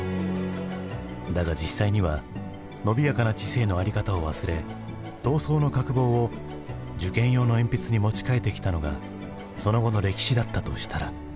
だが実際にはのびやかな知性の在り方を忘れ闘争の角棒を受験用の鉛筆に持ち替えてきたのがその後の歴史だったとしたら。